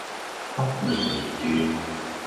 不言而喻